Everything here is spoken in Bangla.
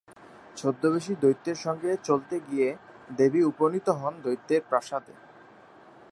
ছদ্মবেশী দৈত্যের সঙ্গে চলতে গিয়ে দেবী উপনীত হন দৈত্যের প্রাসাদে।